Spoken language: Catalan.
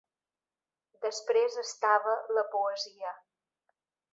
Després estava la poesia.